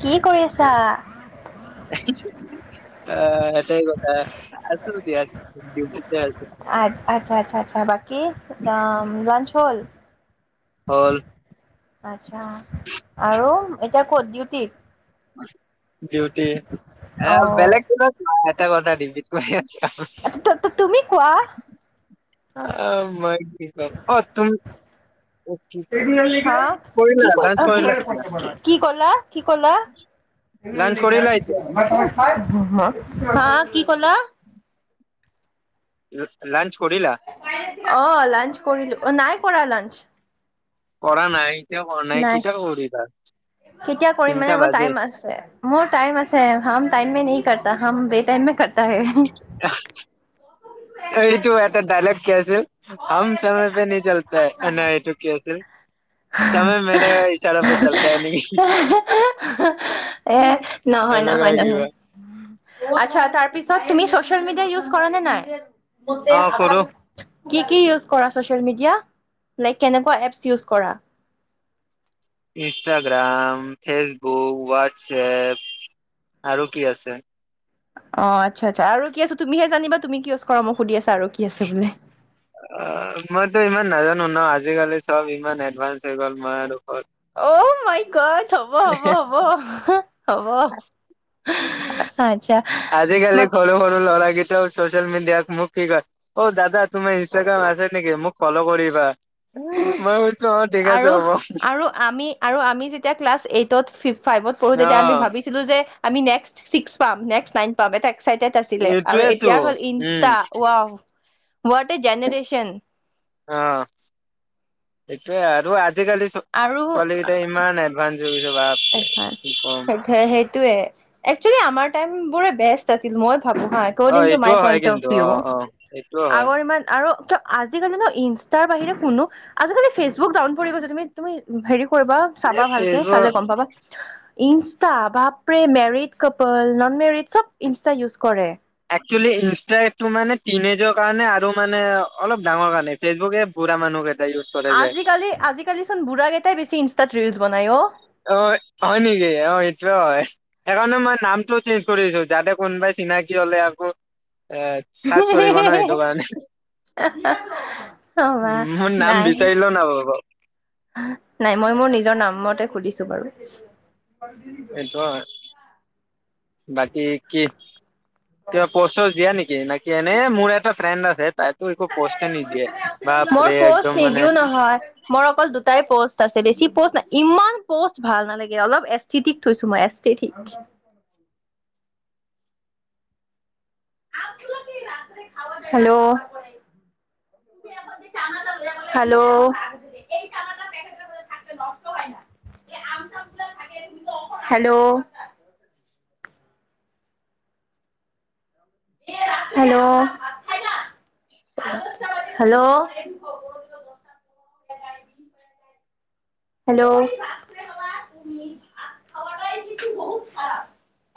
কি কৰি আছা? অ' সেইটা কথা আছো দিয়া [unintelligible] আ! আচ্ছা-আচ্ছা-আচ্ছা। [unintelligible] লাঞ্চ হ'ল [unintelligible] [inaudible] আচ্ছা, আৰু? এতিয়া ক'ত ডিউটিত? বিউটি এ অ' বেলেগ [unintelligible] [unintelligible] অ' ত, ত, ত তুমি কোৱা। অ' মই কি কম অ' তুমি কি [unintelligible] হা হা কৰিলা লাঞ্চ কৰিলা এতিয়া কি লাঞ্চ কৰিলা এতিয়া ক'লা? লাঞ্চ। কৰিলা অ' লাঞ্চ কৰিলো। অ' নাই কৰা লাঞ্চ। কৰা নাই? এতিয়াও কৰা নাই কেতিয়া কৰিবা? কেতিয়া কৰিম তিনটা মানে মোৰ বাজে টাইম আছে মোৰ টাইম আছে হাম টাইমে নেহি- কৰটা হম বে টাইমে কৰটা হে হি়ঃ। [unintelligible] এইটো এটা ডাইলক কি আছিল। হম সময় পে নেহি চলতাহে অ' নাই এইটো কি আছিল [unintelligible] সময় মেৰা ইচাৰা পে চলতা হে লেকিন হিঃ হা এ হা নহয় এনকা নহয় নহয় কিবা। ছ'চেল মিডিয়া ইউজ কৰা নে নাই? অ কৰো [unintelligible] কি কি ইউজ কৰা ছ'চিয়েল মিডিয়া? লাইক কেনেকুৱা এপচ ইউজ কৰা? ইনষ্টাগ্ৰাম, ফেচবুক, হোৱাটছএপ আৰু কি আছে? অ', আচ্ছা আচ্ছা, আৰু কি আছে তুমিহে জানিবা তুমি কি ইউজ কৰা, মোক সুধি আছা। আৰু কি আছে বোলে। অ', মইতো ইমান নাজান ন আজিকালি চব ইমান এডভান্স হৈ গ'ল, মই আৰু ক'ত অ‌', মাই গড। হ'ব হ'ব হ'ব, হা‌, হ'ব। আচ্ছা। আজিকালি বাকী সৰু সৰু ল'ৰাকে [unintelligible] ছ'চিয়েল মিডিয়াত মোক কি কয়, অ', দাদা তোমাৰ ইনষ্টাগ্ৰাম আছে নেকি? মোক ফল' কৰিবা। মই কৈছো অ' ঠিক আছে আৰু, হ'ব অ' আৰু আমি আৰু আমি যেতিয়া ক্লাছ এইটত, ফিভ ফাইভত পঢ়ো তেতিয়া আমি ভাবিছিলোঁ যে আ‌মি নেক্সট ছিক্স পাম, নেক্সট নাইন পাম এটা এক্সাইটেড আছিলে আৰু এইটোয়েতো এতিয়াৰ হ'ল উম। Insta wow. What a generation? আ সেইটোৱে আৰু আজ আজিকালি চো-ছোৱালী কেইটা ইমান এডভান এডভান সেই-সেইটোয়ে। একচেলি আমাৰ টাইম বোৰে বেষ্ট আছিল। মই ভাবোঁ হা, অ' একৰডিং টো এইটোও মাই হয় পইণ্ট অফ কিন্তু ভিউ, অ' অ' এইটোও হয়। আগৰ ইমান আৰু [unintelligible] আজিকলি ন! ইনচ তাৰ বাহিৰে শুনো, আজিকালি ফেচবুক ডাউন পৰি গৈছে, তুমি-তুমি হেৰি কৰিবা। এই চাবা ভালকে ফেচবুক চালে [unintelligible] ইনষ্টা, বাপৰে মেৰিড কপল, ন'ন মেৰিড, চব ইনষ্টা ইউজ কৰে। একচুৱেলি, ইনষ্টাটো মানে, টিনেজৰ কাৰণে, আৰু মানে অলপ ডাঙৰ কাৰণে, ফেচবুকে বুঢ়া মানুহ [unintelligible] যে আজিকালি, আজিকালি চোন বুঢ়া কেইটাই বেছি ইনষ্টাত ৰিল্ছ বনাই অ'। অ', হয় নেকি? অ', সেইটোৱে হয়, সেইকাৰণে মই নামটো চেঞ্জ কৰিছোঁ, যাতে কোনোবাই চিনাকি হ'লে আকৌ এ, চাৰজ কৰিব ন! অ সেইটোকাৰণে, অ মা উম, মোৰ নাম নাই বিচাৰিলেও নাপাব। মতে খুলিছো বাৰু। সেইটো হয় [unintelligible] বাকী কি? কিবা পচ-ছচ দিয়া নেকি? নাকি এনেই মোৰ এটা ফ্ৰেণ্ড আছে তাই মই একদম প'ষ্ট মানে নিদিও নহয়, মোৰ অকল দুটাই প'ষ্ট আছে বেছি পষ্ট ইমান পষ্ট ভাল নালাগে অলপ এস্থেটিক থৈছো মই aesthetic hello hello hello hello hello hello